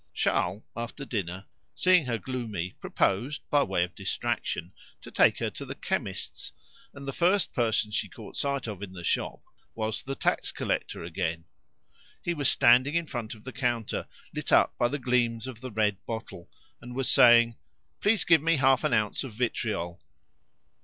Charles after dinner, seeing her gloomy, proposed, by way of distraction, to take her to the chemist's, and the first person she caught sight of in the shop was the taxcollector again. He was standing in front of the counter, lit up by the gleams of the red bottle, and was saying "Please give me half an ounce of vitriol."